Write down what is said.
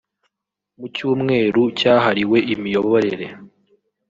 Mu cyumweru cyahariwe imiyoborere